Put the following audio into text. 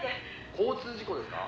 「交通事故ですか？」